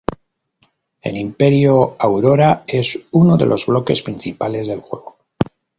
El imperio Aurora es uno de los bloques principales del juego.